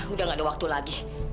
udah gak ada waktu lagi